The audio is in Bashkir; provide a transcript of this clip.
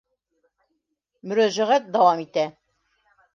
Мөрәжәғәт дауам итә: